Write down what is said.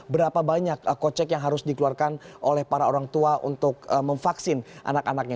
berapa banyak kocek yang harus dikeluarkan oleh para orang tua untuk memvaksin anak anaknya